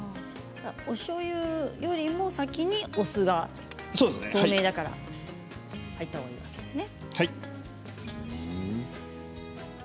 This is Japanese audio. おしょうゆよりも先にお酢が透明だから入ったほうがいいわけですね。